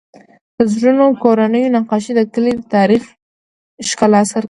د زړو کورونو نقاشې د کلي تاریخي ښکلا څرګندوي.